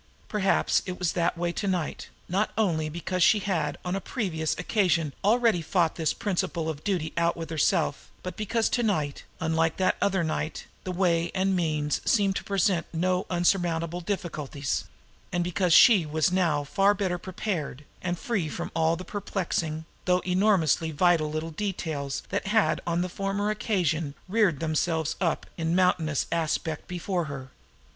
Perhaps it was that way to night, not only because she had on a previous occasion already fought this principle of duty out with herself, but because to night, unlike that other night, the way and the means seemed to present no insurmountable difficulties, and because she was now far better prepared, and free from all the perplexing, though enormously vital, little details that had on the former occasion reared themselves up in mountainous aspect before her.